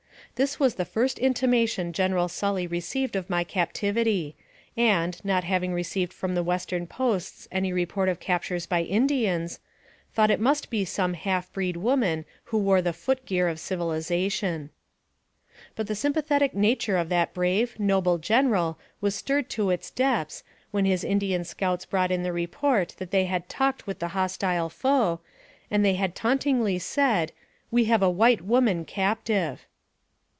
This was the first intimation General Sully received of my captivity, and, not having received from the western posts any report of captures by Indians, thought it must be some half breed woman who wore the foot gear of civilization. But the sympathetic nature of that brave, noble General was stirred to its depths, when his Indian scouts brought in the report that they had talked with the hostile foe, and they had tauntingly said, " we have a white woman captive."